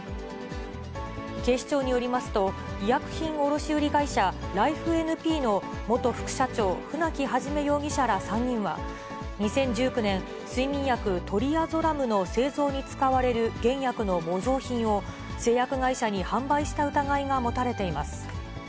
警視庁によりますと、医薬品卸売り会社、ライフ・エヌ・ピーの元副社長、舩木肇容疑者ら３人は、２０１９年、睡眠薬、トリアゾラムの製造に使われる原薬の模造品を、製薬会社に販売した疑いが持たれています。